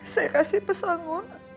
saya kasih pesangu